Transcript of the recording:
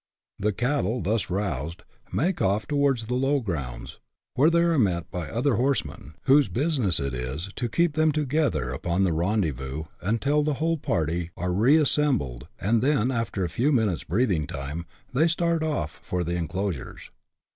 The cattle, thus roused, make off towards the low grounds, where they are met by other horsemen, whose business it is to keep them together upon the rendezvous until the whole party are reassembled, and then, after a few minutes' breathing time, they again start off for the enclosures.